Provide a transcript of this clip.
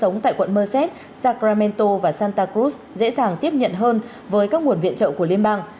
nguyễn tô và santa cruz dễ dàng tiếp nhận hơn với các nguồn viện trợ của liên bang